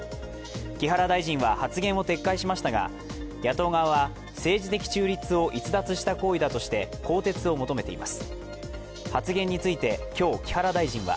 木原大臣は発言を撤回しましたが、野党側は政治的中立を逸脱した行為だとして更迭を求めています。